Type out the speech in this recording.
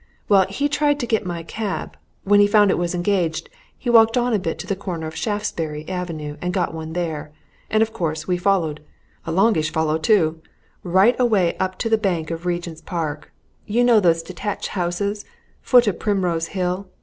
Well he tried to get my cab; when he found it was engaged, he walked on a bit to the corner of Shaftesbury Avenue and got one there. And, of course, we followed. A longish follow, too! right away up to the back of Regent's Park. You know those detached houses foot of Primrose Hill?